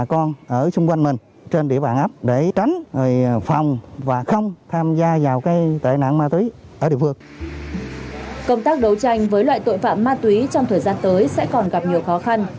công tác đấu tranh với loại tội phạm ma túy trong thời gian tới sẽ còn gặp nhiều khó khăn